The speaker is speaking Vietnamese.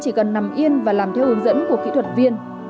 chỉ cần nằm yên và làm theo hướng dẫn của kỹ thuật viên